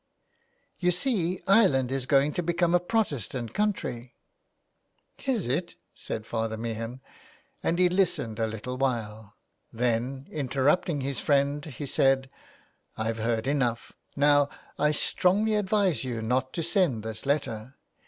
"" You see Ireland is going to become a Protestant country." 184 A LETTER TO ROME. "Is it?" said Father Meehan, and lie listened a little while. Then^ interrupting his friend, he said :—'' I've heard enough. Now, I strongly advise you not to sen'd this letter.